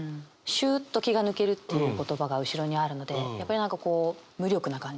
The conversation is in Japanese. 「シューッと気が抜ける」っていう言葉が後ろにあるのでやっぱり何かこう無力な感じがあるというか。